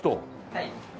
はい。